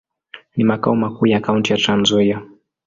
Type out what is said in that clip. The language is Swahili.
Ni makao makuu ya kaunti ya Trans-Nzoia.